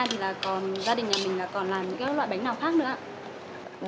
thì là còn gia đình nhà mình là còn làm những loại bánh nào khác nữa ạ